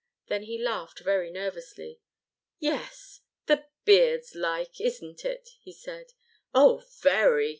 Then he laughed very nervously. "Yes the beard's like, isn't it?" he said. "Oh, very!"